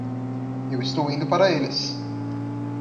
Eu estou indo para eles.